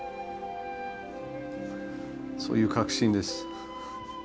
そういう確信です。